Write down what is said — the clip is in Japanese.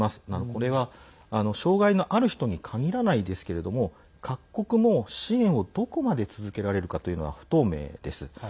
これは、障害のある人に限らないですけれども各国も支援をどこまで続けられるかというのは不透明です。